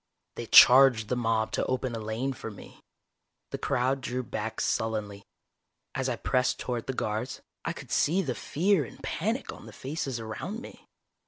They charged the mob to open a lane for me. The crowd drew back sullenly. As I pressed toward the guards, I could see the fear and panic on the faces around me.